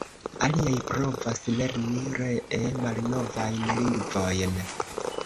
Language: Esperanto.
Aliaj provas lerni (ree) malnovajn lingvojn.